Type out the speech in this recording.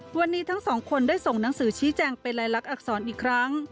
วันนี้ทั้งสองคนได้ส่งหนังสือชี้แจงเป็นลายลักษณอักษรอีกครั้ง